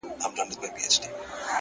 تا كړله خپره اشنا.!